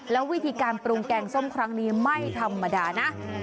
แล้ววิธีการปรุงแกงส้มครั้งนี้ไม่ธรรมดานะ